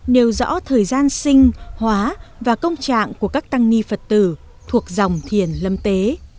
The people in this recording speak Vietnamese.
nêu rõ thời gian sinh hóa và công trạng của các tăng ni phật tử thuộc dòng thiền lâm tế